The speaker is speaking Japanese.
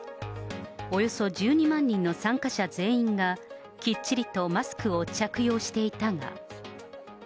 およそ１２万人の参加者全員がきっちりとマスクを着用していたが。